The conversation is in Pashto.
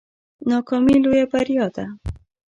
ناکامي لویه بریا ده